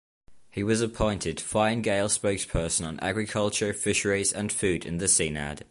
He was appointed Fine Gael spokesperson on Agriculture, Fisheries and Food in the Seanad.